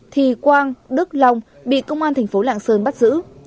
thì quang đức long bị công an thành phố lạng sơn bắt giữ